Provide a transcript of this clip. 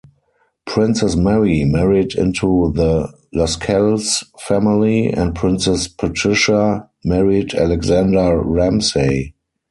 Princess Mary married into the Lascelles family, and Princess Patricia married Alexander Ramsay.